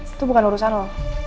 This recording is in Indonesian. itu bukan urusan lo